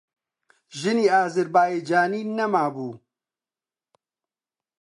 ژنی ئازەربایجانیی نەمابوو.